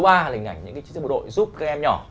hay là hình ảnh những chiếc chiếc bộ đội giúp các em nhỏ